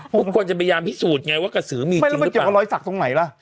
พวกก็จะพยายามพิสูจน์ไงว่ากระสือมีจริงหรือเปล่า